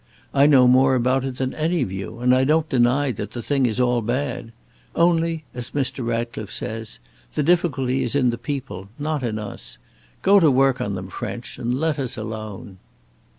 I know more about it than any of you, and I don't deny that the thing is all bad. Only, as Mr. Ratcliffe says, the difficulty is in the people, not in us. Go to work on them, French, and let us alone."